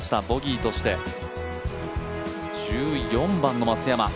ボギーとして１４番の松山。